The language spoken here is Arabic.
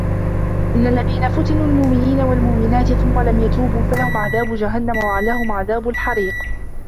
إِنَّ الَّذينَ فَتَنُوا المُؤمِنينَ وَالمُؤمِناتِ ثُمَّ لَم يَتوبوا فَلَهُم عَذابُ جَهَنَّمَ وَلَهُم عَذابُ الحَريقِ